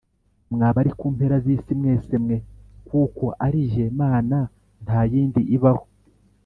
mwa bari ku mpera z’isi mwese mwe, kuko ari jye mana nta yindi ibaho